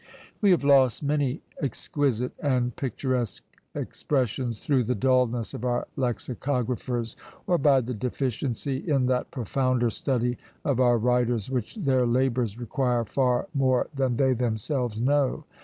We have lost many exquisite and picturesque expressions through the dulness of our lexicographers, or by the deficiency in that profounder study of our writers which their labours require far more than they themselves know.